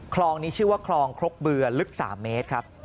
คลองนี้ชื่อว่าคลองครกเบื่อลึก๓เมตรครับ